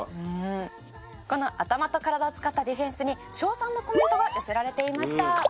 「この頭と体を使ったディフェンスに称賛のコメントが寄せられていました」